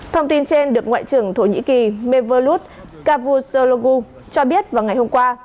thông tin trên được ngoại trưởng thổ nhĩ kỳ mevlut cavusoglu cho biết vào ngày hôm qua